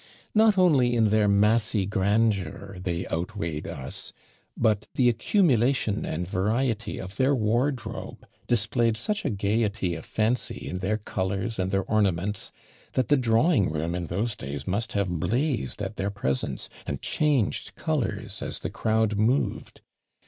Not only in their massy grandeur they outweighed us, but the accumulation and variety of their wardrobe displayed such a gaiety of fancy in their colours and their ornaments, that the drawing room in those days must have blazed at their presence, and changed colours as the crowd moved.